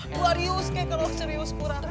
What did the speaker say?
luarius kayak kalau serius kurang mana